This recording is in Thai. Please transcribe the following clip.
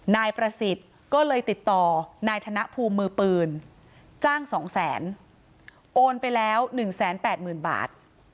นายประสิทธิ์ก็เลยติดต่อนายธนภูมิมือปืนจ้าง๒แสนโอนไปแล้ว๑๘๐๐๐บาท